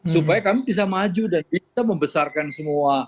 supaya kami bisa maju dan bisa membesarkan semua